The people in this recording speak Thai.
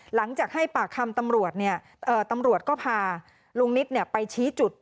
หลังจากให้ปากคำตำรวจตำรวจก็พาลุงนิตไปชี้จุด